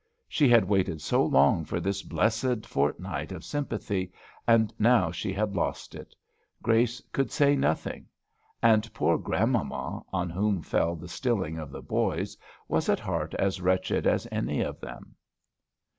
She had waited so long for this blessed fortnight of sympathy, and now she had lost it. Grace could say nothing. And poor grandmamma, on whom fell the stilling of the boys, was at heart as wretched as any of them.